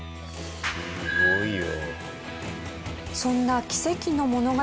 すごいな。